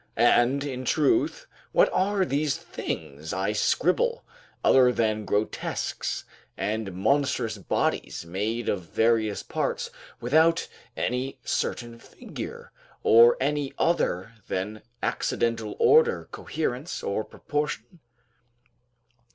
And in truth, what are these things I scribble, other than grotesques and monstrous bodies, made of various parts, without any certain figure, or any other than accidental order, coherence, or proportion?